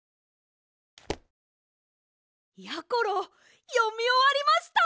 やころよみおわりました。